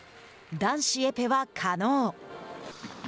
男子エペは加納。